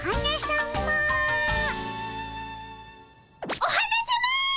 お花さま！